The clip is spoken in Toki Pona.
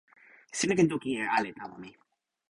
sina ken toki e ale tawa mi.